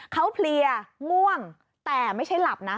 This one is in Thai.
เขาเพลียง่วงแต่ไม่ใช่หลับนะ